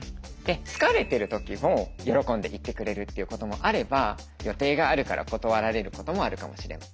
好かれてる時も喜んで行ってくれるっていうこともあれば予定があるから断られることもあるかもしれない。